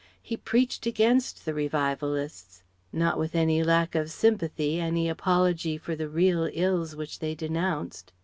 He preached against the Revivalists. Not with any lack of sympathy, any apology for the real ills which they denounced.